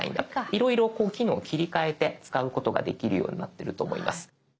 いろいろこう機能を切り替えて使うことができるようになってると思います。